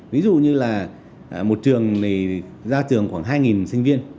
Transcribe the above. ví dụ như là một trường thì ra trường khoảng hai sinh viên